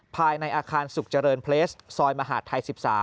ภายในอาคารสุขเจริญเพลสซอยมหาดไทย๑๓